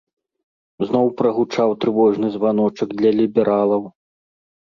Зноў прагучаў трывожны званочак для лібералаў.